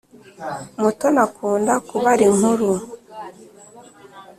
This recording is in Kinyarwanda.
mutoni akunda kubara inkuru